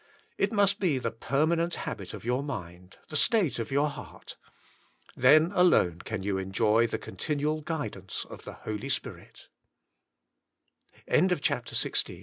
It must be the permanent habit of your mind, the state of your heart. Then alone can you enjoy the continual guidance of the Holy Spi